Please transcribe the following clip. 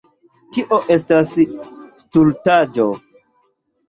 Tio estas stultaĵo.